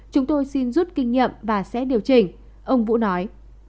chúng tôi xin rút kinh nghiệm và sẽ điều chỉnh ông vũ nói